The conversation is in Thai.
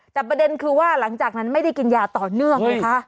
แต่ประเด็นคือว่าหลังจากนั้นไม่ได้กินยาต่อเนื่องไงคะ